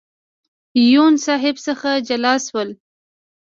یون صاحب څخه جلا شولو.